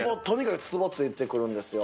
とにかくつぼ突いてくる。